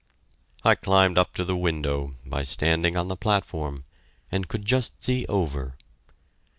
I climbed up to the window, by standing on the platform, and could just see over.